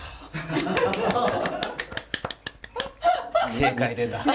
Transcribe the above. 正解出た。